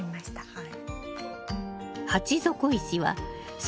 はい。